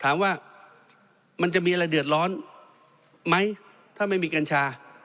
ถามว่ามันจะมีอะไรเดือดร้อนไหมถ้าไม่มีกัญชาเป็นยารักษารโรค